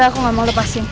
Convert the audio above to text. tante aku nggak mau lepasin